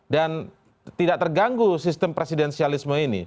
dan tidak terganggu sistem presidensialisme ini